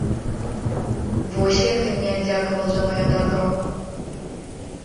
Вось, як ты мне аддзякаваў за маё дабро!